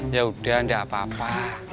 yaudah gak apa apa